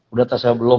udah terserah belum